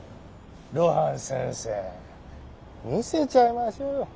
露伴先生見せちゃいましょうよッ。